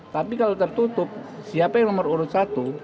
tapi kalau tertutup siapa yang nomor urut satu